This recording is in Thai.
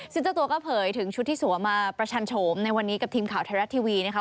ซึ่งเจ้าตัวก็เผยถึงชุดที่สวมมาประชันโฉมในวันนี้กับทีมข่าวไทยรัฐทีวีนะคะ